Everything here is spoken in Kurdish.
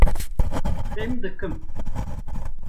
Fêm dikim.